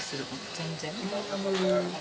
全然？